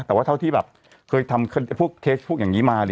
แต่ว่าเท่าที่แบบเคยทำพวกเคสพวกอย่างนี้มา